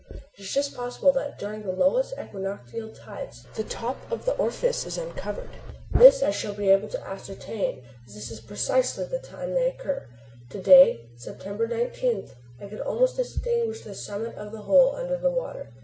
It is just possible that during the lowest equinoctial tides the top of the orifice is uncovered. This I shall be able to ascertain, as this is precisely the time they occur. To day, September 19, I could almost distinguish the summit of the hole under the water.